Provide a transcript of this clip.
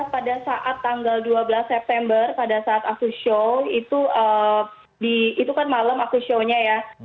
pada saat tanggal dua belas september pada saat aku show itu kan malam aku show nya ya